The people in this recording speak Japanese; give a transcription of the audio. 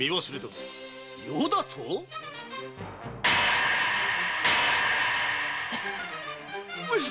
余だと⁉上様！